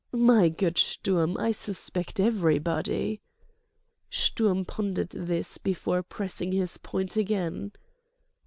"My good Sturm, I suspect everybody." Sturm pondered this before pressing his point again.